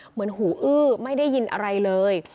เหมือนหูอื้อไม่ได้ยินอะไรเลย